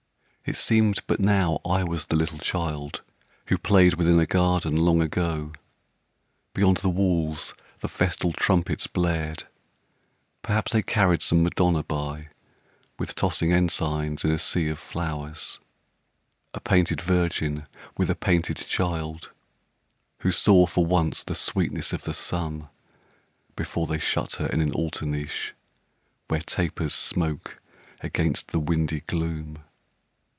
It seemed but now I was the little child Who played within a garden long ago. Beyond the walls the festal trumpets blared. Perhaps they carried some Madonna by With tossing ensigns in a sea of flowers, A painted Virgin with a painted Child, Who saw for once the sweetness of the sun Before they shut her in an altar niche Where tapers smoke against the windy gloom.